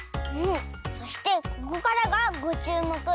そしてここからがごちゅうもく。